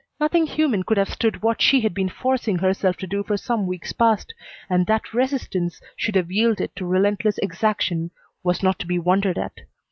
Nothing human could have stood what she had been forcing herself to do for some weeks past, and that resistance should have yielded to relentless exaction was not to be wondered at.